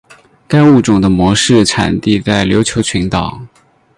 该物种的模式产地在琉球群岛。